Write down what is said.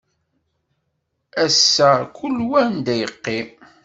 Ass-a kul wa anda yeqqim.